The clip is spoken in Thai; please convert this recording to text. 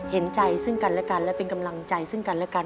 เห็นใจซึ่งกันและกันและเป็นกำลังใจซึ่งกันและกัน